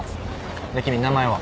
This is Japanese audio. で君名前は？